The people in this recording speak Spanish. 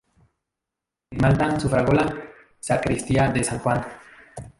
En Malta sufragó la sacristía de San Juan.